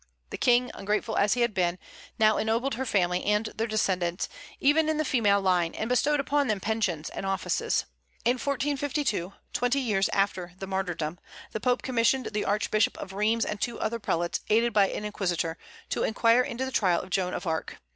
The King, ungrateful as he had been, now ennobled her family and their descendants, even in the female line, and bestowed upon them pensions and offices. In 1452, twenty years after the martyrdom, the Pope commissioned the Archbishop of Rheims and two other prelates, aided by an inquisitor, to inquire into the trial of Joan of Arc.